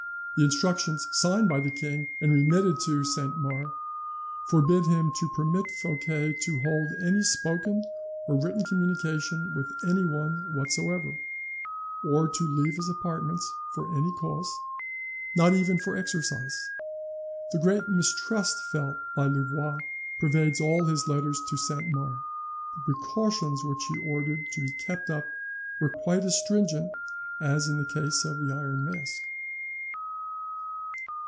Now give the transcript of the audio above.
The instructions signed by the king and remitted to Saint Mars forbid him to permit Fouquet to hold any spoken or written communication with anyone whatsoever, or to leave his apartments for any cause, not even for exercise. The great mistrust felt by Louvois pervades all his letters to Saint Mars. The precautions which he ordered to be kept up were quite as stringent as in the case of the Iron Mask.